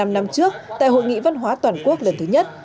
bảy mươi năm năm trước tại hội nghị văn hóa toàn quốc lần thứ nhất